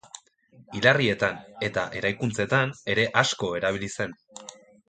Hilarrietan eta eraikuntzetan ere asko erabili zen.